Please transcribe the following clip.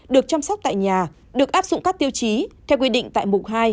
được chăm sóc tại nhà được áp dụng các tiêu chí theo quy định tại mục hai